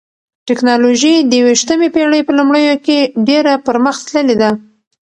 ټکنالوژي د یوویشتمې پېړۍ په لومړیو کې ډېره پرمختللې ده.